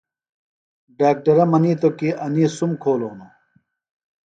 ڈاکٹرہ منِیتو کی انی سُم کھولوۡ ہنوۡ۔